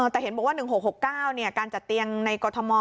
แต่เห็นบอกว่า๑๖๖๙การจัดเตียงในกรทม